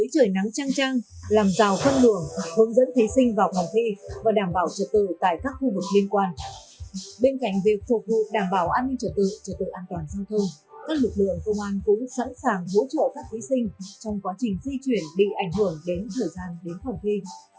công an cũng sẵn sàng hỗ trợ các thí sinh trong quá trình di chuyển bị ảnh hưởng đến thời gian đến phòng thi